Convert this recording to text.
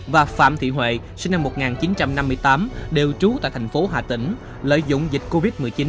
và phạm thị huệ sinh năm một nghìn chín trăm năm mươi tám đều trú tại thành phố hà tĩnh lợi dụng dịch covid một mươi chín